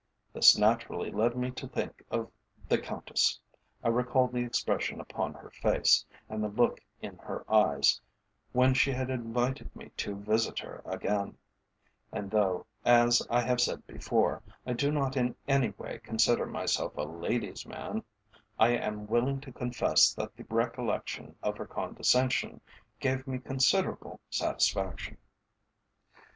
This naturally led me to think of the Countess. I recalled the expression upon her face, and the look in her eyes, when she had invited me to visit her again, and though, as I have said before, I do not in any way consider myself a lady's man, I am willing to confess that the recollection of her condescension gave me considerable satisfaction.